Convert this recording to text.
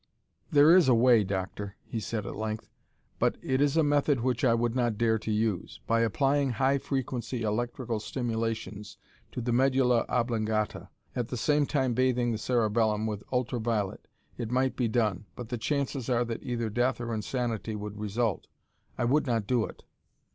"There is a way, Doctor," he said at length, "but it is a method which I would not dare to use. By applying high frequency electrical stimulations to the medulla oblongata, at the same time bathing the cerebellum with ultra violet, it might be done, but the chances are that either death or insanity would result. I would not do it."